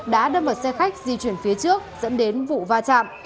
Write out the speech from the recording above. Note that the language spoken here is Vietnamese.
đã đâm vào xe khách di chuyển phía trước dẫn đến vụ va chạm